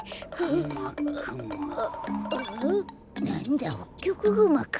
なんだホッキョクグマか。